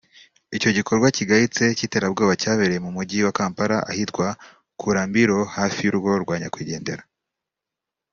Icyo gikorwa kigayitse cy’iterabwoba cyabereye mu mujyi wa Kampala ahitwa Kulambiro hafi y’urugo rwa nyakwigendera